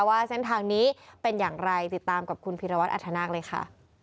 ว่าเส้นทางนี้เป็นอย่างไรติดตามกับคุณพีรวัตรอัธนาคเลยค่ะ